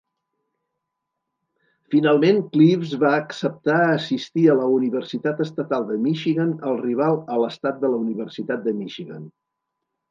Finalment, Cleaves va acceptar assistir a la Universitat Estatal de Michigan, el rival a l'estat de la Universitat de Michigan.